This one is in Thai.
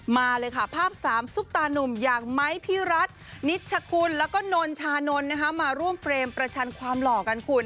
มาเลยค่ะภาพสามซุปตานุ่มอย่างไม้พิรัตนิชชะคุณและก็นนชานนมาร่วมเฟรมประชันความหล่อกันคุณ